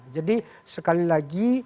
jadi sekali lagi